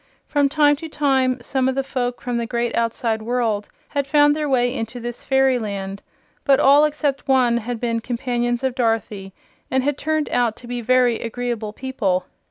From time to time some of the folk from the great outside world had found their way into this fairyland, but all except one had been companions of Dorothy and had turned out to be very agreeable people.